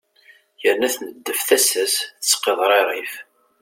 yerna tneddef tasa-s tettqeḍririf